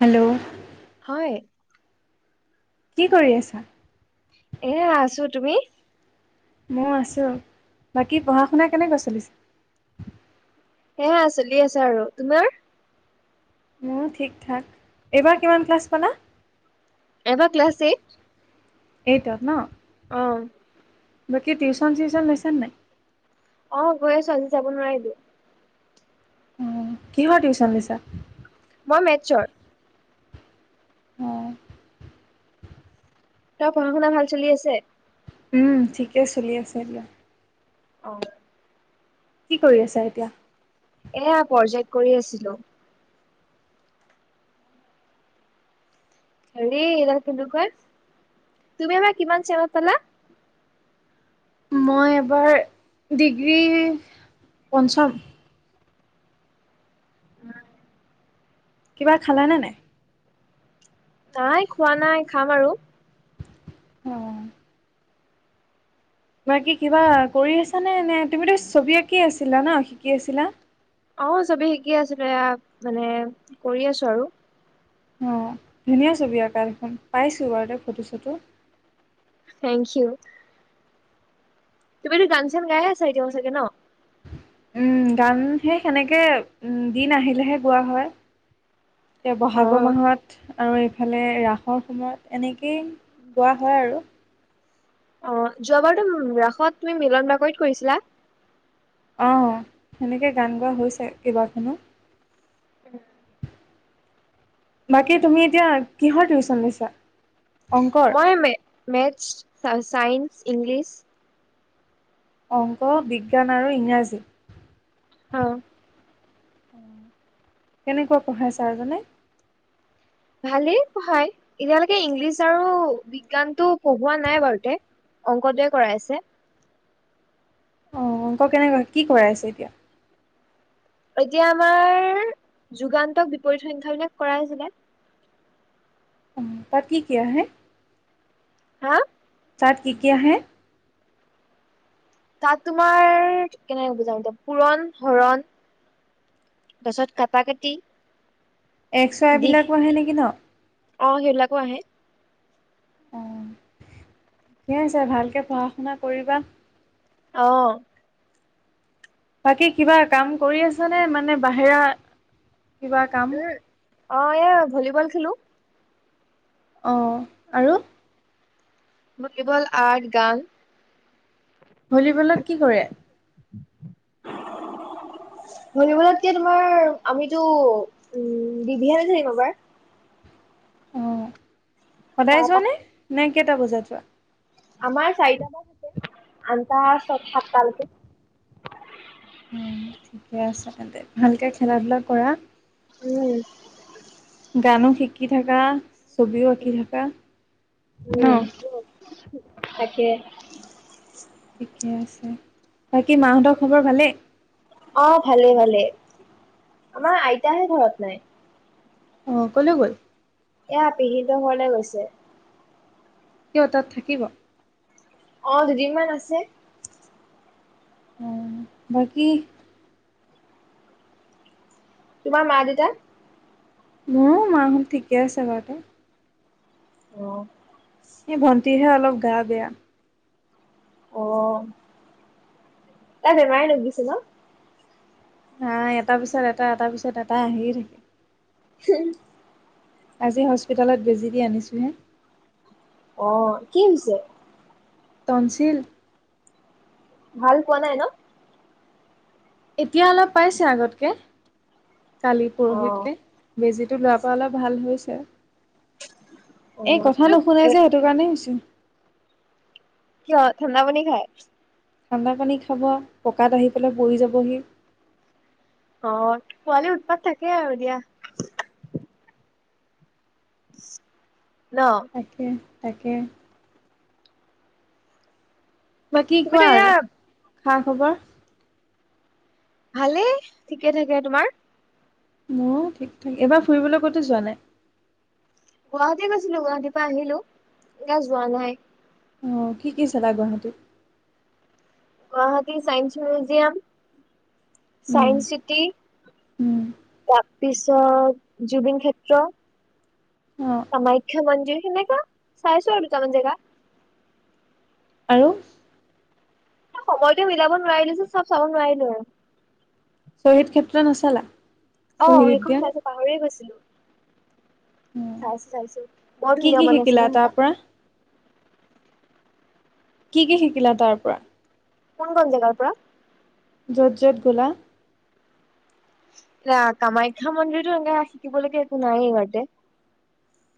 Hello হয়। কি কৰি আছা? এ আছো তুমি? মই আছো, বাকী পঢ়া শুনা কেনেকোৱা চলিছে? এইয়া চলি আছা আৰু তোমাৰ? মোৰো ঠিক ঠাক। এইবাৰ কিমান ক্লাছ পালা? এইবাৰ ক্লাছ এইট। এইটত ন। অঁ বাকী টিউচন চিউচন লৈছানে নাই? অ গৈ আছো। আজি যাব নোৱাৰিলো। অ, কিহৰ টিউচন লৈছা? মই মেটছৰ। অঁ, ত পঢ়া শুনা ভাল চলি আছে? উম ঠিকে চলি আছে দিয়া। অঁ। কি কৰি আছা এতিয়া? এইয়া প্ৰজেক্ট কৰি আছিলো। হেৰি এইডাল কি বুলি কয়, তুমি এবাৰ কিমান চেমত পালা? মই এইবাৰ ডিগ্ৰীৰ পঞ্চম, উম। কিবা খালা নে নাই? নাই খোৱা নাই খাম আৰু। অঁ। বাকি কিবা কৰি আছানে নে, তুমিতো ছবি আঁকি আছিলা ন শিকি আছিলা। অ চবি শিকি আছিলো এয়া মানে কৰি আছো আৰু। অঁ ধুনীয়া ছবি আঁকা দেখোন পাইছোঁ বাৰু দে ফটো চটো। Thank you. তুমিতো গান ছান গাইয়ে আছা, এতিয়াও চাগে ন। উম গান সেই সেনেকে উম দিন আহিলেহে গোৱা হয়। এয়া অ বহাগৰ মাহত আৰু এই, ইফালে ৰাসৰ সময়ত এনেকেই গোৱা হয় আৰু। অ যোৱাবাৰতো ৰাসত তুমি মিলন বাকৰিত কৰিছিলা। অঁ সেনেকে গান গোৱা হৈছে কেইবাখনো। বাকী তুমি এতিয়া কিহৰ টিউশচন লৈছা। অংকৰ মই মে - মেথছ, চা - চাইন্স, ইংলিছ, অংক, বিজ্ঞান আৰু ইংৰাজী। অঁ। কেনেকুৱা পঢ়াই ছাৰজনে? ভালেই পঢ়ায়, এতিয়ালৈকে ইংলিছ আৰু বিজ্ঞানটো পঢ়োৱা নাই বাৰুতে। অংকটোৱে কৰাই আছে। অ' অংক কেনেকুৱা কি কৰাই আছে এতিয়া? এতিয়া আমাৰ যুগান্তক বিপৰীত সংখ্যাবিলাক কৰাই আছিলে। অ' তাত কি কি আহে? হা? তাত কি কি আহে? তাত তোমাৰ কেনেকে বুজাম এতিয়া। পুৰণ, হৰণ। তাৰ পিছত কাটা-কাটি। এক্স ৱাই বিলাকো আহে নেকি ন? অ' সেইবিলাকো আহে। অ' ঠিকে আছে, ভালকে পঢ়া শুনা কৰিবা। অঁ। বাকী, কিবা কাম কৰি আছা নে, মানে বাহিৰা কিবা কাম? উম অ' এ ভলীবল খেলো। অঁ আৰু ভলীবল, আৰ্ট, গান। ভলীবলত কি কৰে? [inaudible] ভলীবলত কি তোমাৰ আমিতো উম [unintelligible] অ তাৰ সদায় পাছত যোৱানে, নে কেইটা বজাত যোৱা? আমাৰ চাৰিটামান আছে, আনটাৰ সাতটালৈকে। উম, ঠিকে আছে তেন্তে। ভালকে খেলা-ধূলা কৰা। উম। গানো শিকি থাকা, ছবিও আঁকি থাকা। ন উম, তাকে। ঠিকে আছে, বাকী মাহঁতৰ খবৰ ভালেই? অ' ভালে ভালে, আমাৰ আইতাহে ঘৰত নাই। অঁ ক'লৈ গ'ল? এয়া পেহীহেত ঘৰলে গৈছে। কিয়, তাত থাকিব? অ' দুদিনমান আছে। উম, বাকী তোমাৰ মা-দেতা? মোৰো মাহত ঠিকে আছে বাৰুতে। অহ'। এ ভণ্টিহে অলপ গা বেয়া। অ' তাই বেমাৰে নুগোছে ন? নাই, এটা পিছত এটা এটা পিছত এটা আহিয়ে থাকে। [unintelligible] আজি হস্পিতেলত বেজি দি আনিছোহে। অ' কি হৈছে? টনছিল। ভাল পোৱা নাই ন। এতিয়া অলপ পাইছে, আগতকে অ কালি-পৰহিতকে। বেজিটো লোৱাৰ পৰা অলপ ভাল হৈছে, অ এই কথা এইটো নুশুনে এ যে তোৰ কাৰণেই হৈছে। কিয় ঠাণ্ডা পানী খায়? ঠাণ্ডা পানী খাব, পকাত আহি পেলাই বহি যাবহি। অ', পোৱালিৰ উৎপাত থাকে আৰু দিয়া। [unintelligible] ন। তাকে, তাকে। বাকী কোৱা তুমিতো এয়া আৰু খা-খবৰ? ভালেই, ঠিকে থাকে তোমাৰ? মোৰো ঠিক-ঠাক। এবাৰ ফুৰিবলৈ ক'তো যোৱা নাই? গুৱাহাটী গৈছিলোঁ, গুৱাহাটীৰ পৰা আহিলোঁ, এতিয়া যোৱা নাই। অ', কি কি চালা গুৱাহাটীত? গুৱাহাটী ছাইন্স মিউজিয়াম উম ছায়েন্স চিটি, উম তাৰ পিছত জুবিন ক্ষেত এ্ অ' কামাখ্যা মন্দিৰ সেনেক চাইছো আৰু দুটামান জেগা। আৰু সময়তো মিলাব নোৱাৰিলো যে, চব চাব নোৱাৰিলো। শ্বহীদ ক্ষেত্ৰ নাচালা? অ', শ্বহীদ সেইখন উদ্যান চাইছো পাহৰি গৈছিলো। অ চাইছো, চাইছো বৰ কি ধুনীয়া কি মানে শিকিলা তাৰ চিনেৰিখন। পৰা কি কি শিকিলা তাৰ পৰা? কোন কোন জেগাৰ পৰা? য'ত য'ত গ'লা। চা, কামাখ্যা মন্দিৰতটো এনেকে শিকিবলৈকে একো নাই ইহঁতে।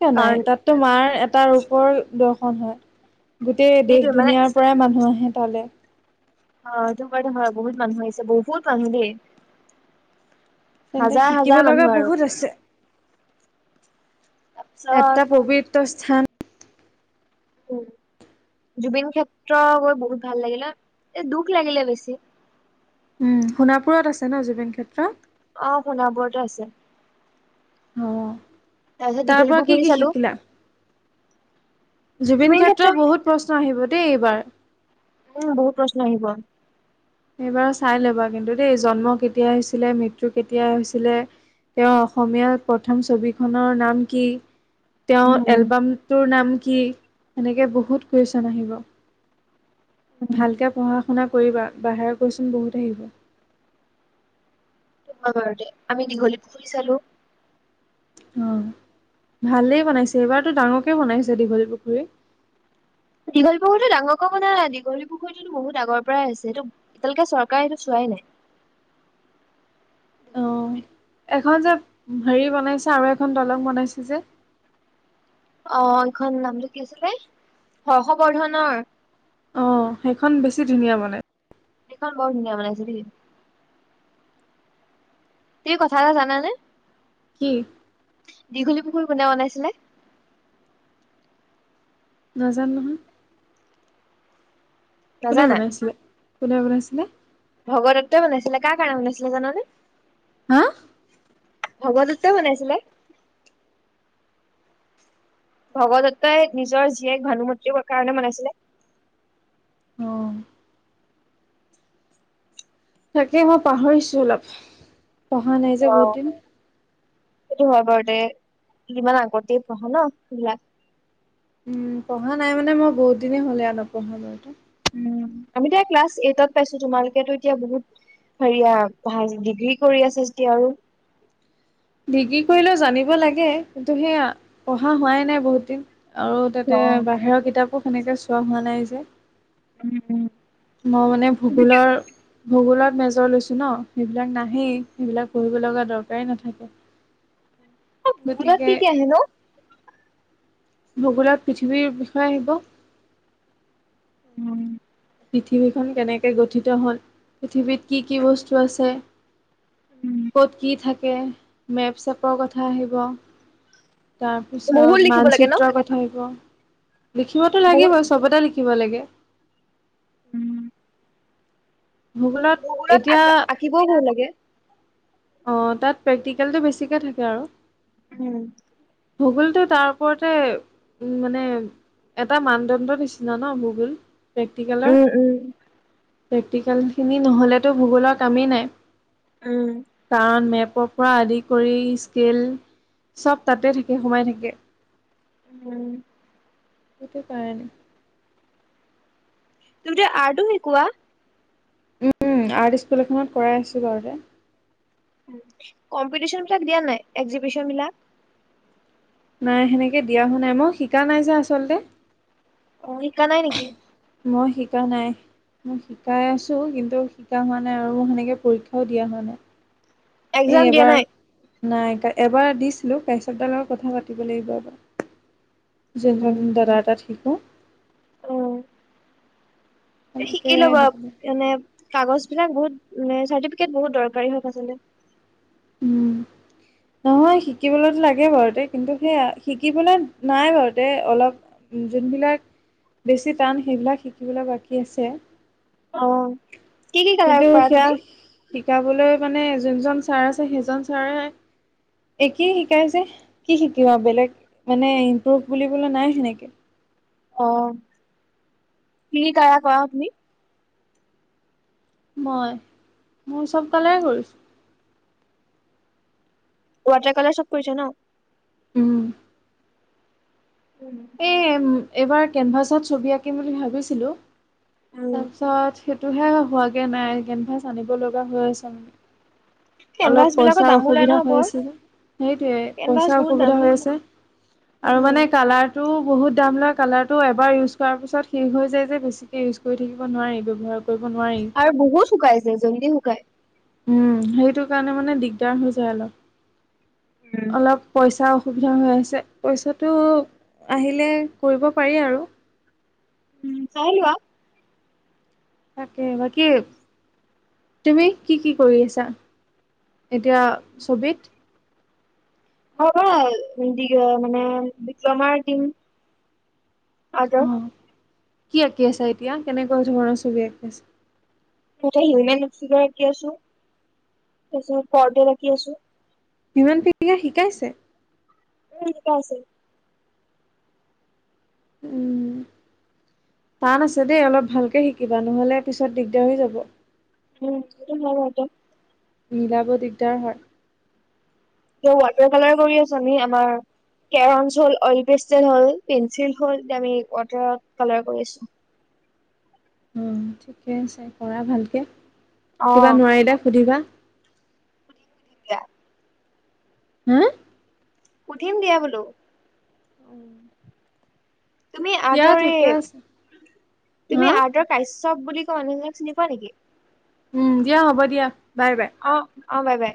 কিয়া নাই, তাতো মাৰ এটা ৰূপৰ দৰ্শন হয়। গোটেই সেইটোৱে মানে দেশ-দুনীয়াৰ পৰাই মানুহ আহে তালে। অ', সেইটো হয়, সেইটো হয়, বহুত মানুহ আহিছে, বহুত মানুহ দেই। তেন্তে হাজাৰ শিকিব হাজাৰ লগা মানুহ আৰু বহুত আছে তাৰপিছত এটা পবিত্ৰ স্থান। উম, জুবিন ক্ষেত্ৰ গৈ বহুত ভাল লাগিলে, এ, দুখ লাগিলে বেছি। উম, সোণাপুৰত আছে ন জুবিন ক্ষেত্ৰ? অ', সোণাপুৰতে আছে। অহ, তাৰপিছত তাৰ দীঘলী পৰা কি পুখুৰী কি চালো। শিকিলা? জুবিন ক্ষেত্ৰ বহুত প্ৰশ্ন আহিব দেই, এইবাৰ। উম, বহুত প্ৰশ্ন আহিব। এইবাৰ চাই ল'বা কিন্তু দেই, জন্ম কেতিয়া হৈছিলে, মৃত্যু কেতিয়া হৈছিলে? তেওঁৰ অসমীয়াৰ প্ৰথম ছবিখনৰ নাম কি? তেওঁৰ উম। এলবামটোৰ নাম কি? সেনেকে বহুত কুৱেশ্যন আহিব। ভালকে পঢ়া-শুনা কৰিবা, বাহিৰা কুৱেশ্যন বহুত আহিব। [unintelligible] আমি দীঘলীপুখুৰী চালো। অহ, ভালেই বোনাইছে, এইবাৰতো ডাঙৰকে বোনাইছে দীঘলীপুখুৰী। দীঘলীপুখুৰীটো ডাঙৰ কৈ বোনোৱা নাই, দীঘলীপুুখুৰীতটো বহুত আগৰ পৰাই আছে এইটো এতিয়া লৈকে চৰকাৰে এইটো চোৱাই নাই। অ', এখন যে হেৰি বনাইছে আৰু এখন দলং বনাইছে যে। অ' এইখন নামটো কি আছিলে হৰ্ষবৰ্ধনৰ অ' সেইখন বেছি ধুনীয়া মানে। সেইখন বৰ ধুনীয়া বনাইছে দেই। তুমি কথা এটা জানা নে? কি? দীঘলী পুখুৰী কোনে বনাইছিলে? নাজানো নহয়। কোনে নাজানা বনাইছিলে? কোনে বনাইছিলে? ভগদত্তই বনাইছিলে। কাৰ কাৰণে বনাইছিলে জানানে? হা? ভগদত্তই বনাইছিলে। ভগদত্তই নিজৰ জীয়েক ভানুমতীৰ কাৰণে বনাইছিলে। অ' তাকে মই পাহৰিছো অলপ, পঢ়া নাই যে অ। বহুত দিন। সেইটো হয় বাৰু দে। ইমান আগতে পঢ়া ন সেইবিলাক। উম পঢ়া নাই মানে মই বহুত দিনেই হ'লে আৰু নপঢ়া বাৰু তো। উম আমিতো এয়া ক্লাছ এইটত পাইছো তোমালোকেটো এতিয়া বহুত হেৰিয়া ভাইছ, ডিগ্ৰী কৰি আছা যেতিয়া আৰু ডিগ্ৰী কৰিলেও জানিব লাগে, কিন্তু সেইয়া পঢ়া হোৱাই নাই বহুত দিন। আৰু তাতে উম, বাহিৰৰ কিতাপো সেনেকে চোৱা হোৱা নাই যে। উম উম। মই মানে তুমি কি ভূগোলৰ ভূগোলত মেজৰ লৈছো ন, সেইবিলাক নাহেই সেইবিলাক পঢ়িব লগা দৰকাৰেই নাথাকে। ভূগোলত গতিকে কি কি আহে ন'? ভূগোলত পৃথিৱীৰ বিষয়ে আহিব। উম। পৃথিৱীখন কেনেকে গঠিত হ'ল? পৃথিৱীত কি কি বস্তু আছে? ক'ত কি থাকে? মেপ চেপৰ কথা আহিব। বহুত তাৰপিছত লিখিব লাগে ন? মানচিত্ৰৰ কথা আহিব। লিখিবতো বহুত লাগিবই। চবতে লিখিব লাগে। উম। ভূগোলত এতিয়া কিবই ভাল লাগে? অ' তাত প্ৰেক্টিকেলটো বেছিকে থাকে আৰু। উম। ভগোলটো তাৰ ওপৰতে উম মানে এটা মানদণ্ডৰ নিচিনা ন ভূগোল। প্ৰেক্টিকেলৰ। উম, উম। প্ৰেক্টিকেলখিনি নহ'লেতো ভূগোলৰ কামেই নাই। উম। কাৰণ মেপৰ পৰা আদি কৰি, স্কেল চব তাতে থাকে, সোমাই থাকে। উম। সেইটো কাৰণে। তুমিটো আৰ্টো শিকোৱা? উম আৰ্ট স্কুল এখনত কৰাই আছোঁ বাৰুতে। উম, কম্পিটিচন বিলাক দিয়ানে নাই, এক্সিবিচন বিলাক? নাই সেনেকে দিয়া হোৱা নাই, মই শিকা নাই যে আচলতে। অ, শিকা নাই নেকি? মই শিকা নাই। মই শিকাই আছোঁ, কিন্তু শিকা হোৱা নাই আৰু মোৰ সেনেকে পৰীক্ষাও দিয়া হোৱা নাই। এ, এক্সাম দিয়া এবাৰ নাই? নাই, এবাৰ দিছিলো কাশ্যপদাৰ লগত কথা পাতিব লাগিব এবাৰ। যোনজন দাদাৰ তাত শিকো। উম, এই, এনেকে শিকিলবা এনে কাগজ বিলাক বহুত চাৰ্টিফিকেট বহুত দৰকাৰী হয় পাচলে। উম, নহয় শিকিবলৈতো লাগে বাৰুতে, কিন্তু সেইয়া শিকিবলৈ নাই বাৰুতে অলপ যোনবিলাক বেছি টান, সেইবিলাক শিকিবলৈ বাকী আছে। অ, কি কি কালাৰ কিন্তু কৰা সেয়া তুমি শিকাবলৈ মানে, যোনজন ছাৰ আছে সেইজন ছাৰে একেই শিকাই যে, কি শিকিবা বেলেগ মানে ইম্প্ৰুভ বুলিবলে নাই সেনেকে। অ, কি [inaudible] কৰা অ, তুমি? মই, মোৰ চব কালাৰে কৰিছো। ৱাটাৰ কালাৰ চব, কৰিছে ন? উম, উম, এই এইবাৰ কেনভাছত ছবি আঁকিম বুলি ভাবিছিলো, উম তাৰপিছত সেই সিটোহে হোৱাগে নাই, কেনভাছ আনিব লগা হৈ আছে মানে। কেনভাছ অলপ বিলাকৰ পইচাৰ দামো লয় অসুবিধা নহয় হৈ বৰ আছে যে, সেইটোৱে কেনভাছ পইচাৰ বহুত দাম অসুবিধা হৈ লয় আছে। আৰু উম মানে কালাৰ তো, বহুত দাম লয়, কালাৰটো এবাৰ ইউজ কৰাৰ পিছত শেষ হৈ যায় যে, বেছিকে ইউজ কৰি থাকিব নোৱাৰি ব্যৱহাৰ কৰিব নোৱাৰি। বহুত শুকাই যায়, জল্দি শুকাই। উম, সেইটো কাৰণে মানে দিগদাৰ হৈ যায় অলপ, অলপ পইচা অসুবিধা হৈ আছে, পইচাটো আহিলে কৰিব পাৰি আৰু। উম, চাইলোৱা। তাকে বাকী তুমি কি কি কৰি আছা? এতিয়া ছবিত হ'ব [inaudible] মানে বিপ্লমাৰ টিম। উম, কি আঁকি আছা এতিয়া, কেনেকুৱা ধৰণৰ ছবি আঁকি আছা। দুটা হিউমেনক্সিগাৰ আঁকি আছো, তাৰপিছত পৰ্ডেল আঁকি আছো। ইমান পি, শিকাইচে এই ঠিকে আছে। উম, টান আছে দেই, অলপ ভালকে শিকিবা নহ'লে পিছত দিগদাৰ হৈ যাব। [unintelligible] মিলাব দিগদাৰ হয়। অ, ৱাটাৰ কালাৰ কৰি আছা নে আমাৰ কেৰনচ হ'ল, অইল কিষ্টেল হ'ল, পেঞ্চিল হ'ল, এতিয়া আমি ৱাটাৰত কালাৰ কৰিছো। উম, ঠিকে আছে, কৰা ভালকে আছো কিবা অ নোৱাৰিলে সুধিবা। [inaudible] হু? সুধিম দিয়া বোলো। উম। তুমি আৰ্টৰ এই, হা তুমি আৰ্টৰ কাশ্যপ বুলি কোৱা মানুহজনক চিনি পোৱা নেকি? উম, দিয়া হ'ব দিয়া, বাই বাই। অ', অ' বাই বাই।